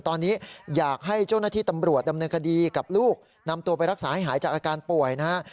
ตอนนี้อยากให้เจ้าหน้าที่ตำรวจดำเนินคดีกับลูกนำตัวไปรักษาให้หายจากอาการป่วยนะฮะ